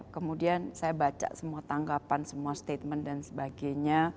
kemudian saya baca semua tanggapan semua statement dan sebagainya